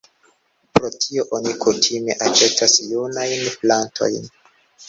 Pro tio oni kutime aĉetas junajn plantojn.